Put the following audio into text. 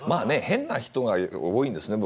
変な人が多いんですね